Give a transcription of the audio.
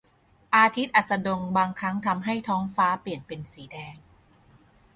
อาทิตย์อัสดงบางครั้งทำให้ท้องฟ้าเปลี่ยนเป็นสีแดง